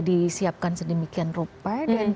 disiapkan sedemikian rupa